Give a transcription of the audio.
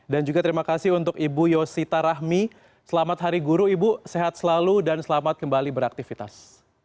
dan juga terima kasih untuk ibu yosita rahmi selamat hari guru ibu sehat selalu dan selamat kembali beraktifitas